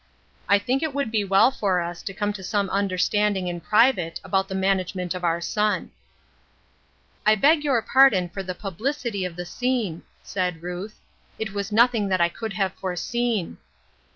I think it would be well for us to come to some understanding in private about the management of our son." " I beg your pardon for the publicity of the scene, " said Ruth ;" it was nothing that I could have foreseen."